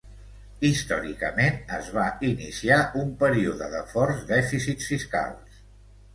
Històricament es va iniciar un període de forts dèficits fiscals.